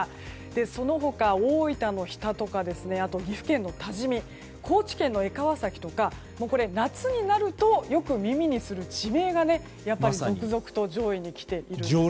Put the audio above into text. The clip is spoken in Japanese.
その他、大分の日田とかあとは岐阜県の多治見高知県の江川崎とか夏になるとよく耳にする地名がやっぱり続々と上位にきているんです。